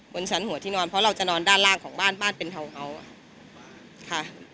บนชั้นหัวที่นอนเพราะเราจะนอนด้านล่างของบ้านบ้านเป็นทาวน์เฮาส์ค่ะ